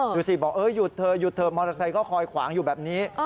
ดูสิบอกเออหยุดเธอหยุดเธอมอเตอร์ไซค์ก็คอยขวางอยู่แบบนี้